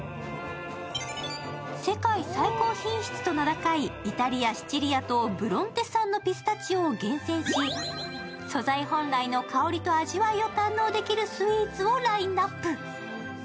世界最高品質と名高いイタリア・シチリア島ブロンテ産のピスタチオを厳選し、素材本来の香りと味を堪能できるスイーツをラインナップ。